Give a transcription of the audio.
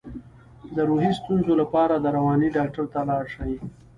د روحي ستونزو لپاره د رواني ډاکټر ته لاړ شئ